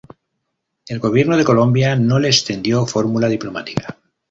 El gobierno de Colombia no le extendió fórmula diplomática.